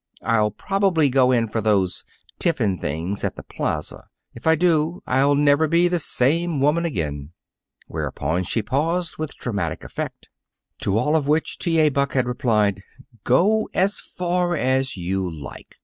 I'll probably go in for those tiffin things at the Plaza. If I do, I'll never be the same woman again." Whereupon she paused with dramatic effect. To all of which T. A. Buck had replied: "Go as far as you like.